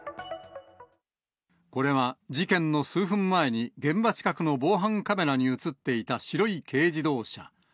これは事件の数分前に現場近くの防犯カメラに写っていた白い軽自動車。